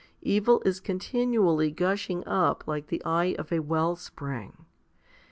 Evil is continually gushing up like the eye of a well spring.